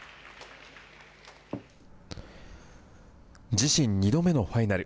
自身２度目のファイナル。